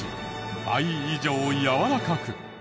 倍以上柔らかく。